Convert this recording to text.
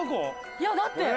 いやだって。